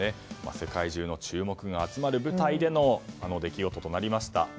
世界中の注目が集まる舞台でのあの出来事となりました。